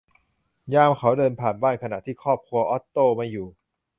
ยามเขาเดินผ่านบ้านขณะที่ครอบครัวออตโตไม่อยู่